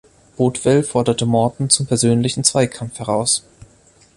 Bothwell forderte Morton zum persönlichen Zweikampf heraus.